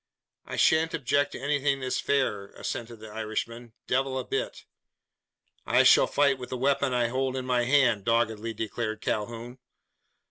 "I sha'n't object to anything that's fair," assented the Irishman "devil a bit!" "I shall fight with the weapon I hold in my hand," doggedly declared Calhoun.